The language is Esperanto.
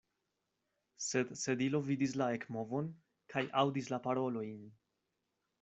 Sed Sedilo vidis la ekmovon kaj aŭdis la parolojn.